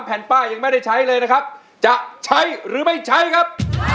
แผ่นป้ายยังไม่ได้ใช้เลยนะครับจะใช้หรือไม่ใช้ครับ